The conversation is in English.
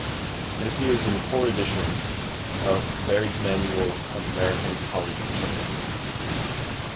It appears in four editions of "Baird's Manual of American College Fraternities".